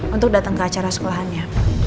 untuk datang ke acara sekolahannya